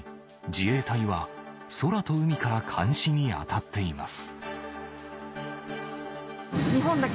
自衛隊は空と海から監視に当たっています